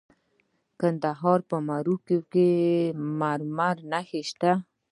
د کندهار په معروف کې د مرمرو نښې شته.